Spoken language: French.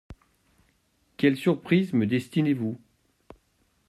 Quelle surprise me destinez-vous ?